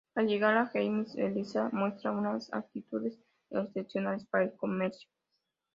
Al llegar a Leipzig, Eliza muestra unas aptitudes excepcionales para el comercio.